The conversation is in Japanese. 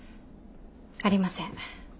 ありません。